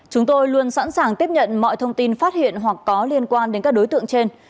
chúng tôi luôn sẵn sàng tiếp nhận mọi thông tin phát hiện hoặc có liên quan đến các đối tượng trên